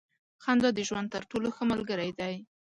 • خندا د ژوند تر ټولو ښه ملګری دی.